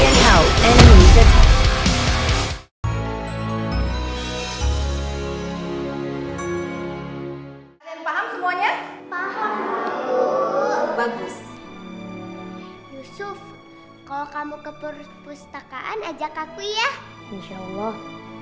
paham semuanya paham bagus bagus yusuf kalau kamu ke perpustakaan ajak aku ya insyaallah